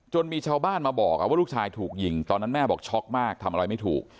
มีชาวบ้านมาบอกว่าลูกชายถูกยิงตอนนั้นแม่บอกช็อกมากทำอะไรไม่ถูก